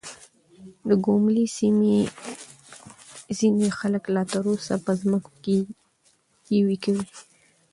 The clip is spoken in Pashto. د ګوملې سيمې ځينې خلک لا تر اوسه په ځمکو کې يوې کوي .